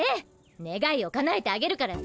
ねがいをかなえてあげるからさ。